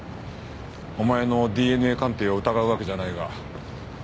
お前のＤＮＡ鑑定を疑うわけじゃないが。